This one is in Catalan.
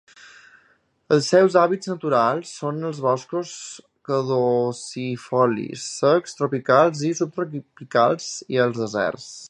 Els seus hàbitats naturals són els boscos caducifolis secs tropicals i subtropicals i els deserts.